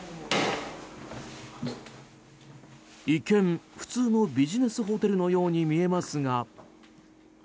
一見、普通のビジネスホテルのように見えますが。